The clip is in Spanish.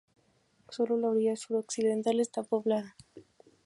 Solo la orilla sur-occidental está poblada.